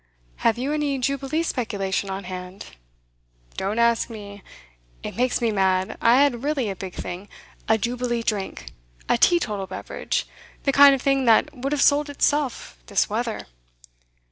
'Have you any Jubilee speculation on hand?' 'Don't ask me! It makes me mad. I had a really big thing, a Jubilee Drink, a teetotal beverage; the kind of thing that would have sold itself, this weather.